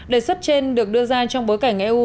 đề xuất trên được đưa ra trong bối cảnh eu